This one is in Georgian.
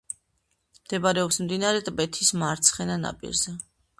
მდებარეობს მდინარე ტბეთის მარცხენა ნაპირზე.